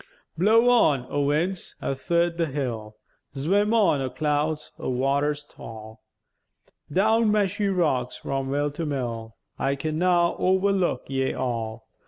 Blow on, O winds, athirt the hill; Zwim on, O clouds; O waters vall, Down maeshy rocks, vrom mill to mill: I now can overlook ye all.